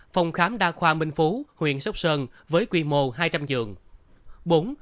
phòng khám đa khoa minh phú huyện sóc sơn với quy mô hai trăm linh giường